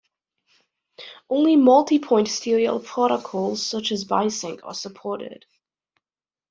Only multipoint serial protocols such as Bisync are supported.